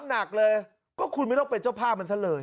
หนักเลยก็คุณไม่ต้องเป็นเจ้าภาพมันซะเลย